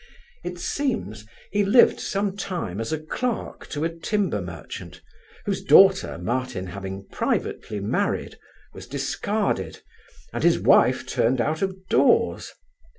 It seems, he lived some time as a clerk to a timber merchant, whose daughter Martin having privately married, was discarded, and his wife turned out of doors.